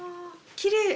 きれい。